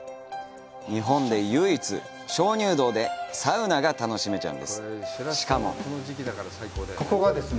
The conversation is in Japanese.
日本で唯一鍾乳洞でサウナが楽しめちゃうんです。